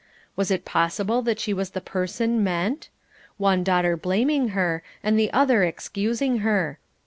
Was it possible that she was the person meant? One daughter blaming her, and the other excusing her.